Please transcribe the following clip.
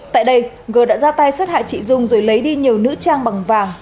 tại đây gờ đã ra tay sát hại chị dung rồi lấy đi nhiều nữ trang bằng vàng